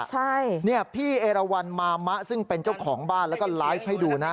ใช่เนี่ยพี่เอราวันมามะซึ่งเป็นเจ้าของบ้านแล้วก็ไลฟ์ให้ดูนะ